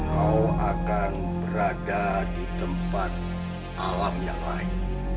kau akan berada di tempat alam yang lain